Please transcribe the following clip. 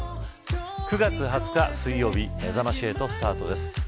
９月２０日水曜日めざまし８スタートです。